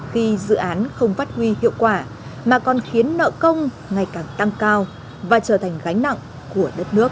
khi dự án không phát huy hiệu quả mà còn khiến nợ công ngày càng tăng cao và trở thành gánh nặng của đất nước